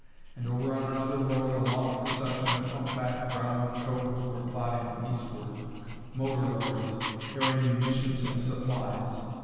And over on another road a long procession of humpbacked brown toads were plodding eastward. Motor lorries, carrying munitions and supplies.